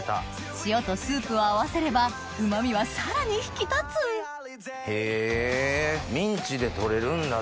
塩とスープを合わせればうま味はさらに引き立つへぇミンチで取れるんだダシ。